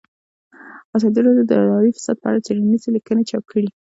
ازادي راډیو د اداري فساد په اړه څېړنیزې لیکنې چاپ کړي.